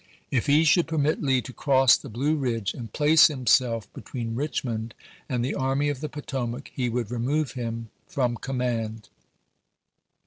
If he should permit Lee to cross the Blue Ridge and place himself between Richmond and the Army of the Potomac he would remove him from command.